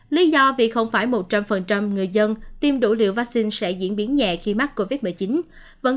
lý do vì không phải một trăm linh người dân tiêm đủ liều vaccine sẽ diễn biến nhẹ khi mắc covid một mươi chín